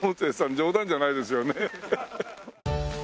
冗談じゃないですよね。